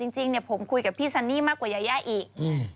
จริงผมคุยกับพี่ซันนี่มากกว่ายายาอีก